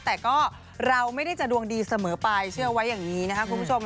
แต่ก็เราไม่ได้จะดวงดีเสมอไปเชื่อไว้อย่างนี้นะครับคุณผู้ชม